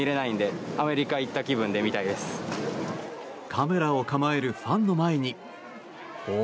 カメラを構えるファンの前にお！